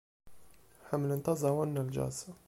Ḥemmlent aẓawan n jazz.